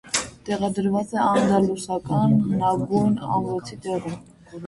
Տեղակայված է անդալուսիական հնագույն ամրոցի տեղում։